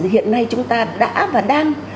hiện nay chúng ta đã và đang